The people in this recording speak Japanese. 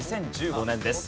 ２０１５年です。